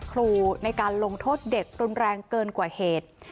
ครูในการลงโทษเด็กรุนแรงเกินกว่าเหตุ